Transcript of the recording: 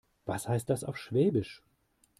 Was heißt das auf Schwäbisch?